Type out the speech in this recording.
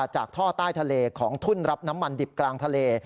จากท่อใต้ทะเลของทุ่นรับน้ำมันดิบกลางทะเล